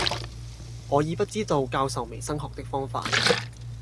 我已不知道教授微生物學的方法，